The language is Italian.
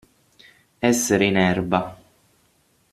Essere in erba.